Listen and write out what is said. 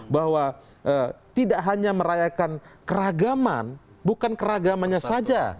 bahwa eh tidak hanya merayakan keragaman bukan keragamanya saja